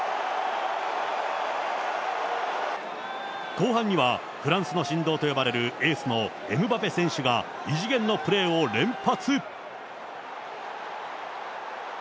後半には、フランスの神童と呼ばれるエースのエムバペ選手が、異次元のプレーを連発。